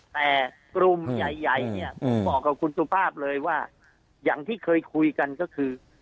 แต่กลุ่มใหญ่เนี่ยผมบอกกับคุณสุภาพเลยว่าอย่างที่เคยคุยกันก็คือ